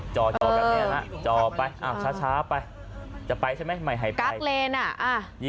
จะไปใช่มั้ย